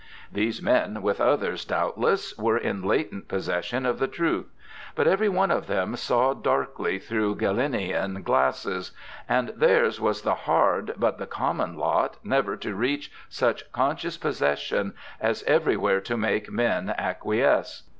These men, with others doubtless, were in latent posses sion of the truth. But every one of them saw darkly through Galenian glasses, and theirs was the hard but the common lot never to reach such conscious posses sion as everywhere to make men acquiesce.